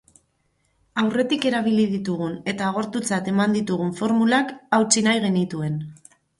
Aurretik erabili ditugun eta agortutzat eman ditugun formulak hautsi nahi genituen.